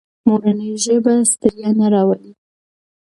مورنۍ ژبه ستړیا نه راولي.